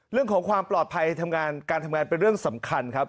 เรื่องของความปลอดภัยทำงานการทำงานเป็นเรื่องสำคัญครับ